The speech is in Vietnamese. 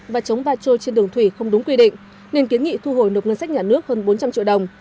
và chống va trôi trên đường thủy không đúng quy định nên kiến nghị thu hồi nộp ngân sách nhà nước hơn bốn trăm linh triệu đồng